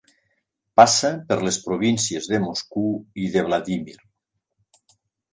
Passa per les províncies de Moscou i de Vladímir.